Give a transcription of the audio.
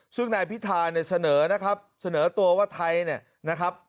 ซึ่งนายพิธาเนี่ยเสนอนะครับเสนอตัวว่าไทยเนี่ยนะครับ